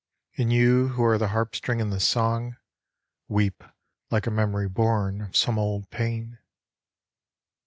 And you who are the harpstring and the song Weep like a memory born of some old pain."